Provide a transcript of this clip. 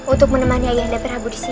untuk menemani ayah anda prabu disini